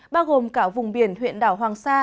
bao gồm cả vùng biển huyện đảo hoàng sa